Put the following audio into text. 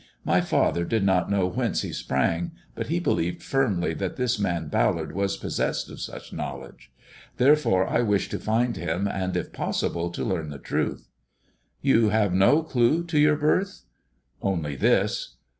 My father did not knew whence he sprang, but he believed firmly that this mar Ballard was possessed of such knowledge. Therefore I wish to find him, and if possible to learn the truth." " You have no clue to your birth ]"" Only this."